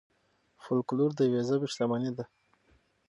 فولکلور د یوې ژبې شتمني ده.